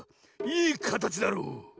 いいかたちだろう。